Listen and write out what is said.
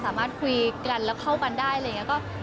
สามารถคุยกันแล้วเข้ากันได้อะไรอย่างนี้